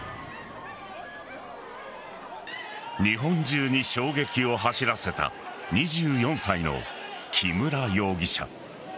日本中に衝撃を走らせた２４歳の木村容疑者。